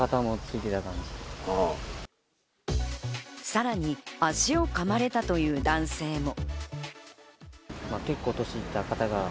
さらに足をかまれたという男性も。